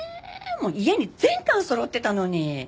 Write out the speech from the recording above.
もう家に全巻そろってたのに。